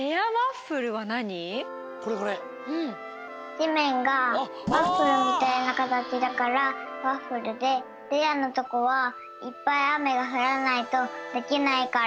じめんがワッフルみたいなかたちだからワッフルでレアのとこはいっぱいあめがふらないとできないから。